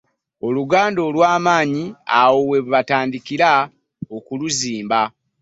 Oluganda olw'amaanyi awo we batandikira okuluzimba.